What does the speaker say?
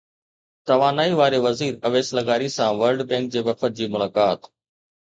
توانائي واري وزير اويس لغاري سان ورلڊ بينڪ جي وفد جي ملاقات